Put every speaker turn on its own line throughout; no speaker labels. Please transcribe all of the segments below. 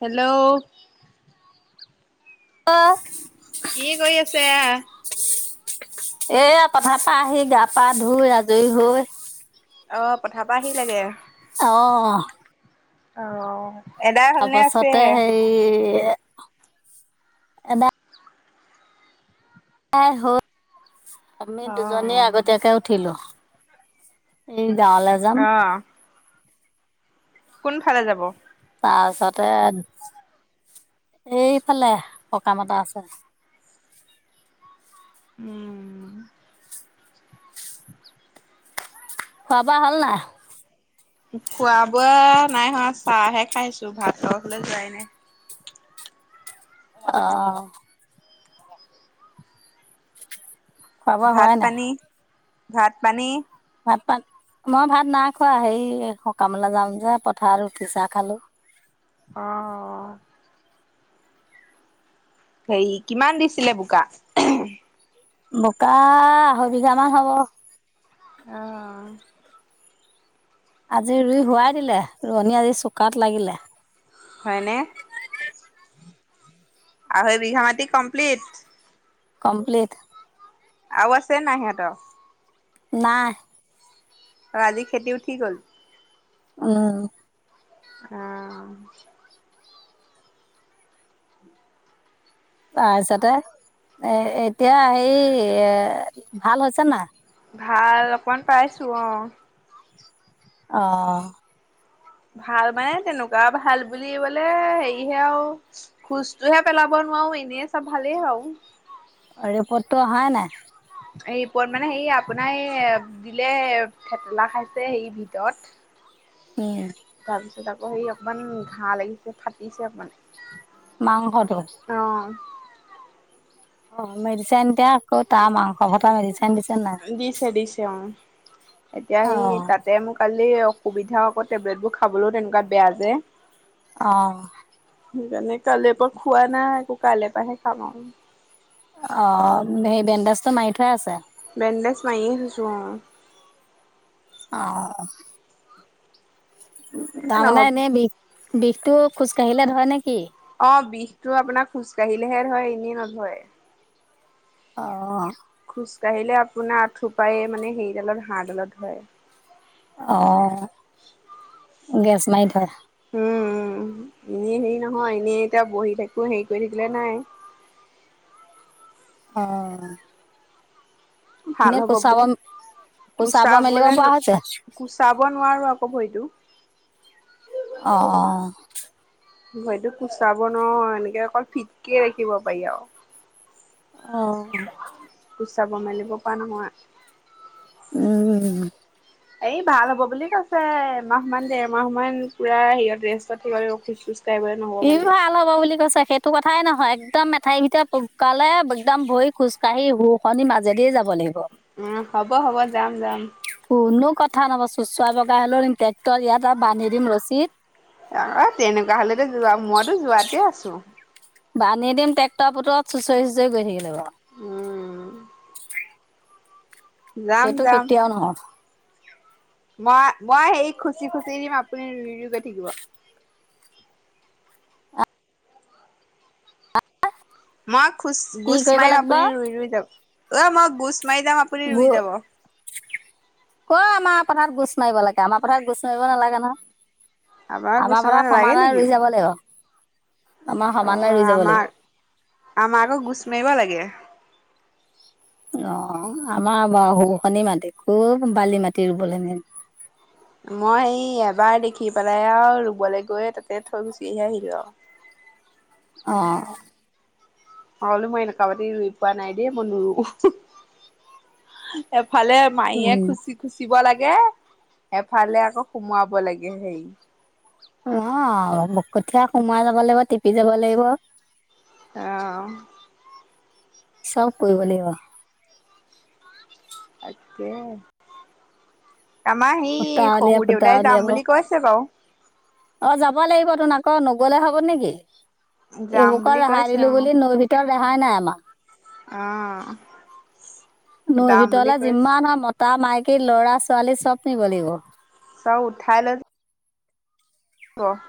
Hello.
অ'।
কি কৰি আছে আ?
এইয়া পথাৰপা আহি গা-পা ধুই, আজৰি হৈ
অ', পথাৰ পৰা আহিলেগে?
অ'।
অ'। এদাই হ'লনে আছে?
তাৰপাছতে হেৰি খাই [unintelligible] আমি দুজনী
আহ
আগতীয়াকে উঠিলোঁ। এই জাল আ
অ'। কোনফালে যাব?
তাৰপিছতে, এইফালে সকাম এটা আছে।
উম।
খোৱা-বোৱা হ'ল নাই?
খোৱা-বোৱা নাই হোৱা। চাহহে খাইছোঁ, ভাতৰ ফালে যোৱাই নাই।
অ'। খোৱা বোৱা হোৱাই নাই
ভাত-পানী, ভাত-পানী
ভাত -পান, মই ভাত নাই খোৱা হেই সকামলে যাম যে পথাৰত ৰুটি-চাহ খালোঁ।
অ'। হেই কিমান দিছিলে বোকা?
বোকা আঢ়ৈ বিঘা মান হ'ব।
অ'।
আজি ৰুই হোৱাই দিলে। ৰোৱনী আজি চোকাত লাগিলে।
হয় নে? আঢ়ৈ বিঘা মাটি কমপ্লিট?
কমপ্লিট।
আও আছে নাই সিহঁতৰ?
নাই।
ত' আজি খেতি উঠি গ'ল?
উম।
আঁ অঁ।
তাৰ পিছতে এ এতিয়া হেই এ ভাল হৈছে নাই
ভাল অকমান পাইছো অ
অ
ভাল মানে তেনেকুৱা ভাল বুলিবলে হেৰিহে আউ খোজটোহে পেলাব নোৱাও এনেই চব ভালেই হাও
অ ৰিপৰ্টটো অহাই নাই
এই ৰিপট মানে হেই আপোনাৰ এই দিলে থেতেলা খাইছে হেই ভিতত
উ
তাৰপিছত আকৌ সেই অকণমান ঘাঁহ লাগিছে ফাটিছে অকমান
মাংসটো
অ
অ মেডিচাইন দিয়া আকৌ তাৰ মাংস ভটা মেডিচিন দিছে নাই
দিছে দিছে অ এতিয়া সি
অ',
তাতে মোক কালি সুবিধা আকৌ টেবলেটবোৰ খাবলও তেনেকুৱা বেয়া যে
অ
সেইকাৰণে কালিঅ পা খোৱা নাই আকৌ কাইলে পাহে খাম আউ
অ সেই বেণ্ডেজটো মায়ী থোৱাই আছে
বেনডেছ মাইয়ে থৈছো অ
অ
এ
তাৰমানে
নহ'ব
এনেই বিষ বিষটো খোজকাঢ়িলে ধয়ে নেকি
অ বিষটো আপোনাৰ খোজ কাঢ়িলেহে ধয় এনেই নধই
অ
খোজকাঢ়িলে আপোনাৰ আথোপাই মানে হেৰিডালত হাঁড়ডালত ধয়
অ গেছ মাই ধয়
উ উম এনেই হেৰি নহয় এনেই এতিয়া বহি থাকো হেৰি কৰি থাকিলে নাই
অ
ভাল
এনে
হ'ব
কোচাব
বুলি
কোচাব মেলিব
কুচাবলে
পৰা
নো
হৈছে?
কুচাব নোৱাৰো আকৌ ভৰিটো
অ অ
ভইতো কুচাব নোৱাৰো এনেকে অকল ফিটকে ৰাখিব পাৰি আউ
অ
কুচাব মেলিব পৰা নহয়
উম
এই ভাল হ'ব বুলি কৈছে এমাহ মান দেৰ মাহ মান পুৰা হেৰিয়ত ৰেষ্টত থাকিব লাগিব খোজ চোজ কাইব
ই ভাল হব বুলি কৈছে হেত টো কথাই নহয় একদম এঠাই ভিতৰ পকালে একদম ভৰি খোজকাাঢ়ি শু শনি মাজেদিয়ে যাব লাগিব
উ হ'ব হ'ব যাম যাম
কোনো কথা নহব চোচৰাই বগাই হ'লও নিম ট্ৰেক্টৰ ইয়াত আৰু বান্ধি দিম ৰছীদ
অ তেনেকুৱা হলেতো যোৱা মইতো যোৱাতে আছো
বানি দিম ট্ৰেক্টৰ পুতৰত চুচই চুচৰি গৈ থাকিব লাগিব
উম যাম
এইটো
যাম
কেতিয়াও নহয়
মই মই সেই খুচি খুচি দিম আপুনি ৰুই ৰুই গৈ থাকিব মই খোচ
কি
গোছ
কৰিব
মাৰিম
লাগিব
আপুনি ৰুই ৰুই যাব, ঐ মই গোছ মাৰি যাম আপুনি
গো
ৰুই যাব।
ক' আমাৰ পথাৰত গোছ মাৰিব লাগে? আমাৰ পথাৰত গোছ মাৰিব নালাগে নহয়।
আপোনাৰ গোচ
আমাৰ
মাৰিব
পথাৰত
নালাগে
সমানে
নেকি
ৰুই যাব লাগিব। আমাৰ
অ
সমানে ৰুই যাব লাগিব।
আমাৰ, আমাৰ আকৌ গোছ মাৰিব লাগে।
অ', আমাৰ বা গোসানীৰ মাটিত খুব বালি মাটি ৰুবলে নে
মই এই এবাৰ দেখি পেলাই আৰু ৰুবলৈ গৈ তাতে থৈ গুচি আহি আহিলো আৰু।
অঁ অ।
মই বোলো মই এনেকুৱা মাটি ৰুই পোৱা নাই দে‌ই মই নুৰু, এফালে মাৰিয়ে
উম,
খুচি খুচিব লাগে, এফালে আকৌ সুমোৱাব লাগে হেৰি।
নহয় আৰু কঠীয়া সোমাই যাব লাগিব টিপি যাব লাগিব।
অ।
চব কৰিব লাগিব।
তাকে। আমাৰ সেই
ফুটা উলিয়াই
শহুৰ
ফুটা
দেউতাই
উলিয়াব,
যাম বুলি কৈছে বাৰু।
অ যাব লাগিব তোন আকৌ নগলে হ'ব নেকি?
যাম বুলি
এইবোকৰ ৰেহাই দিলো বুলি নৈ ভিতৰত ৰেহাই নাই আমাৰ।
অঁ।
নৈ ভিতৰলে যিমান হয় মতা মাইকী লৰা ছোৱালী চব নিব লাগিব‌।
চব উঠাই লই যাব,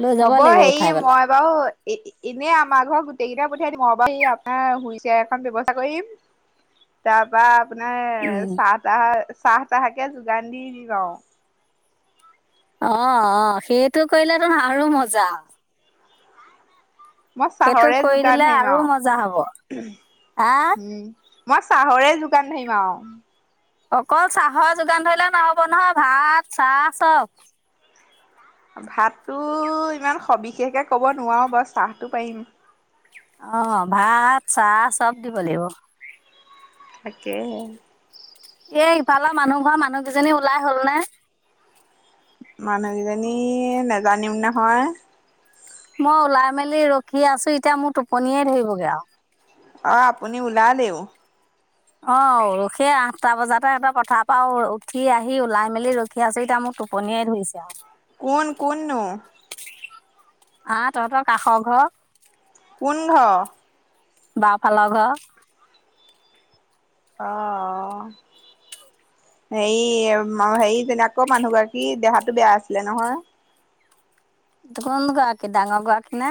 লৈ যাব
হ'ব
লাগিব
হেৰি
উঠাই পেলাই।
মই বাৰু এ এনেই আমাৰ ঘৰত গোটেই কেইটা পঠিয়াই দিম মই বাৰু বাকী আপোনাৰ হুইলচেয়াৰ এখন ব্যৱস্থা কৰি দিম। তাৰপৰা আপোনাৰ
উম,
চাহ তাহ, চাহ তাহকে যোগান দি দিম আৰু।
অ অ অ, সেইটো কৰিলে তো আৰু মজা।
মই
সেইটো
চাহৰে
কৰি
যোগান
দিলে
ধৰিম
আৰু মজা হ'ব।
আৰু,
হা
উম। মই চাহৰে যোগান ধৰিম আৰু।
অকল চাহৰ যোগান ধৰিলে নহ'ব নহয়, ভাত চাহ চব।
ভাততো ইমান সবিশেষকে ক'ব নোৱাৰো বাৰু, চাহটো পাৰিম।
অ ভাত চাহ চব দিব লাগিব।
তাকেহে।
এই ইফালৰ মানুহ ঘৰৰ মানুহ কেইজনী ওলাই হ'ল নে?
মানুহ কেইজনী নেজানিম নহয়।
মই ওলাই মেলি ৰখি আছো এতিয়া মোৰ টোপনিয়ে ধৰিবগৈ আৰু।
অঁ আপুনি ওলালেও।
অ সেই আঠটা বজাতে এবাৰ পথাৰ পাও উঠি আহি ওলাই মেলি ৰখি ৰখি আছো এতিয়া মোৰ টোপনিয়ে ধৰিছে আৰু।
কোন কোন নো?
হা তহঁতৰ কাষৰ ঘৰ।
কোন ঘৰ?
বাওঁফালৰ ঘৰ।
অ অ। হেৰি হেৰি যে আকৌ মানুহগৰাকীৰ দেহাতো বেয়া আছিলে নহয়।
কোন গৰাকী, ডাঙৰ গৰাকী নে?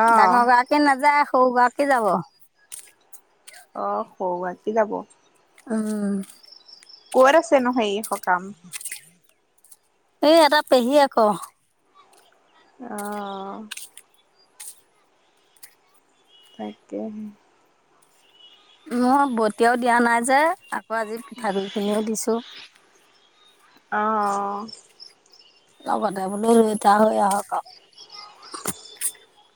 অ
গৰাকী কী নাযায়, সৰু গৰাকী যাব।
অ সৰু গৰাকী যাব।
উম।
কত আছে নো হেৰি সকাম?
এই এটা পেহী আকৌ।
অ তাকেহে।
মই বতিয়াও দিয়া নাই যে আকৌ আজি পিঠাগুৰি খিনিও দিছোঁ।
অ অ
লগতে বোলো ৰুই থৈ হৈ আহক আও।
[inaudible]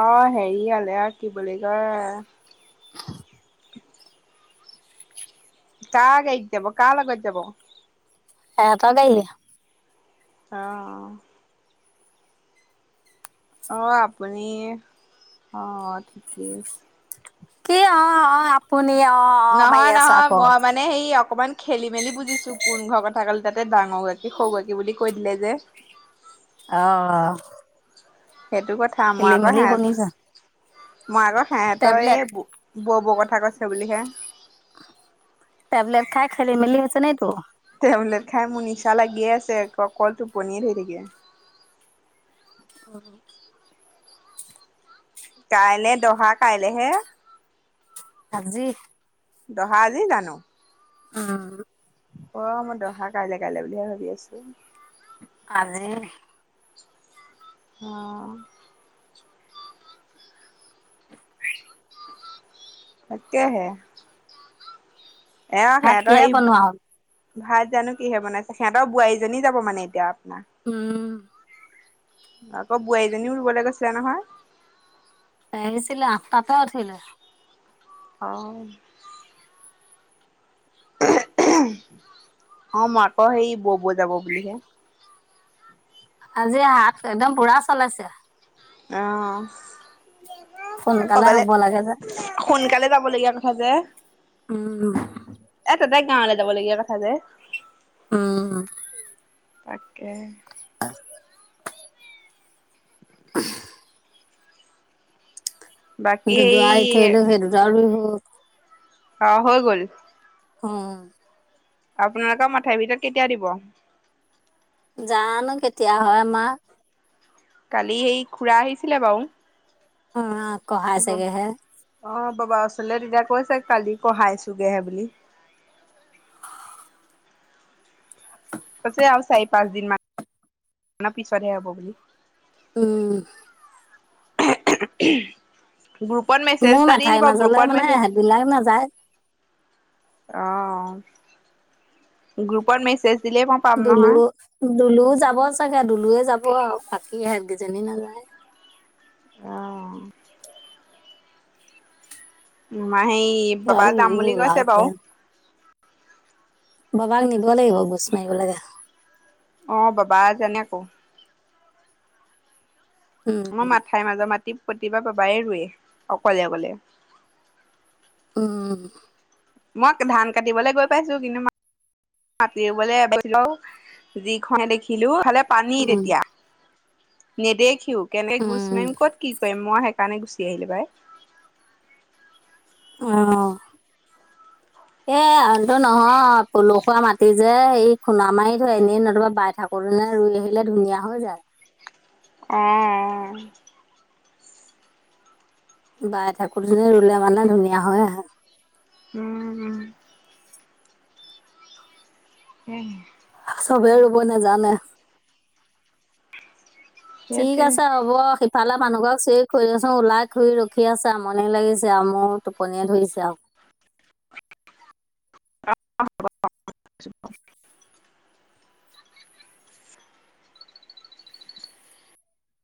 অ হেৰি হলে আৰু কি বুলি কয়,
[inaudible]
কাৰ গাড়ীত যাব কাৰ লগত যাব?
সেহেতৰ গাড়ীৰে নি
অঁ অঁ আপুনি অঁঁ ঠিকে আছে।
কি অঁ অঁ আপুনি অঁ অঁ মাৰি
নহয়
আছা
নহয়
আক
মই মানে সে অকমান খেলি মেলি বুজিছো কোন ঘৰৰ কথা ক'ল তাতে ডাঙৰ গৰাকী সৌ গৰাকী বুলি কৈ দিলে যে।
অঁ
সেইটো কথা মই আকৌ হেত,
শুনিছো
মই আকৌ সেহেতৰ এই
টেবলেট
ব ব কথা কৈছে বুলিহে।
টেবলেট খাই খেলি মেলি হৈছে নাই তো,
টেবলেট খাই মোৰ নিচা লাগিয়ে আছে ক অকল টোপনিয়ে থৈ থাকে।
অঁ
কাইলে দহা কাইলেহে।
আজি।
দহা আজি জানো।
উম।
অ মই দহা কাইলে কাইলে বুলিহে ভাবি আছো
ভালেই।
অঁ। তাকে হে এয়া
ভাত
সিহঁত
কিহে
সেই,
বনোৱা হ'ল
ভাত জানো কিহে বনাইছা সিহঁতৰ বোৱাৰীজনী যাব মানে এতিয়া আপোনাৰ।
উম।
আকৌ বোৱাৰীজনীও ৰুবলৈ গৈছিলে নহয়।
ভাহিছিলে আঠটাতে উঠিলে।
অঁ অ মই আকৌ হেই বৌবৌ যাব বুলিহে।
আজি হাত একদম পুৰা চলাইছে।
অ
সোনকালে
কবালে।
হ'ব লাগে যে
সোনকালে যাব লগীয়া কথা যে
উম
এ তাতেই গাঁৱলৈ যাবলগীয়া কথা যে।
উম।
তাকে
উ [unintelligible]
বাকী
দু
এই
ডোৱা থৈলো সেই দুডা বিভো।
অঁ হৈ গ'ল।
অঁ'।
আপোনালোকৰ মাথাই ভিতৰত কেতিয়া দিব?
জানো কেতিয়া হয় আমা?
কালি সেই খুৰা আহিছিলে বাও।
অঁ কহাই ছেগেহে।
অঁ বাবা ওচলে তেতিয়া কৈছে, কালি কঢ়াই ছোগেহে বুলি। কৈছে আৰু চাৰি পাঁচ দিন মানৰ পিছতহে হ'ব বুলি।
উম'।
গ্ৰুপত মেছেজ
মোৰ
এটা দি
মাথাই
দিব,
মাজলৈ
গ্ৰুপত
মানে
মেছেজ-
হেতবিলাক নাযায়
অঁ, গ্ৰুপত মেছেজ- দিলেই মই পাম
দুলু
নহয়।
দুলু যাব চাগে, দুলুৱে যাব আৰু বাকী হে‍ঁত দুজনী নাযায়।
অঁহ'। মা সেই বাবা
বাৰু
যাম
ইও
বুলি
হ'ল আৰু
কৈছে বাৰু।
এতিয়া বাবাক নিব লাগিব গোছ মাৰিব লাগে।
অঁ বাবা জানে ক।
উম
মই মাথাইৰ মাজত মাটি প্ৰতিবাৰে পাপাই ৰুৱে, অকলে অকলে।
উম'।
মই ধান কাটিবলে গৈ পাইছো, কিন্তু মা- মাতি ৰুবলে এবেলি লওঁ যি খনহে দেখিলো, ইফালে- পানী
উম
তেতিয়া, নেদেখিও কেনেকে গুচ
উম
মাৰিম ক'ত- কি কৰিম মই সেইকাৰণে গুচি আহিলো পাই।
অঁ এ আনটো নহয়। পলসুৱা মাটি যে সেই- খুণা মাৰি ধৰে এনেই নতুবা বাই থাকোতে নে ৰুই আহিলে ধুনীয়া হৈ যায়।
অঁ অঁ।
বাই ঠাকুৰজনী ৰুলে মানে ধুনীয়া হৈ আহে।
উম‌ উম'। উমহ'।
চবে ৰুব নেজানে, ঠিক
সেইটোৱে
আছে হ'ব। ইফালে মানুহ ঘৰ চিৰি খৰিচোন ওলাই খৰি ৰখি আছে আমনি লাগিছে আৰু মোৰ টোপনিয়ে ধৰিছে আও।
অঁ অঁ হ'ব।